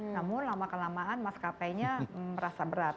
namun lama kelamaan maskapainya merasa berat